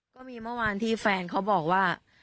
ก็มีเมื่อวานที่แฟนเขาบอกว่า